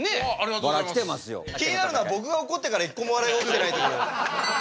気になるのは僕がおこってから一個も笑いが起きてないという。